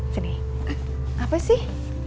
sini apa sih